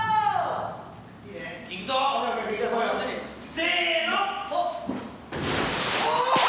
せの！